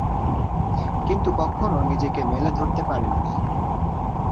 কিন্তু কখনো নিজেকে মেলে ধরতে পারেননি।